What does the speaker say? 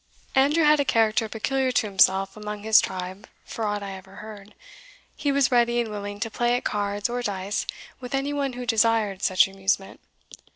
Andrew had a character peculiar to himself among his tribe for aught I ever heard. He was ready and willing to play at cards or dice with any one who desired such amusement.